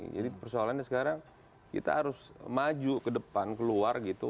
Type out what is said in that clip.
jadi persoalannya sekarang kita harus maju ke depan keluar gitu